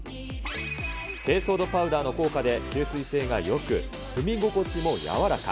珪藻土パウダーの効果で、吸水性がよく、踏み心地も柔らか。